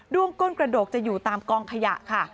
้วงก้นกระดูกจะอยู่ตามกองขยะค่ะ